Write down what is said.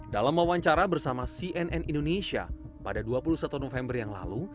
dalam wawancara bersama cnn indonesia pada dua puluh satu november yang lalu